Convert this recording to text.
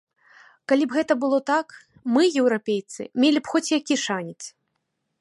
Калі б гэта было так, мы, еўрапейцы, мелі б хоць які шанец.